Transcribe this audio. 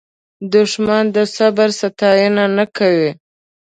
دښمن د صبر ستاینه نه کوي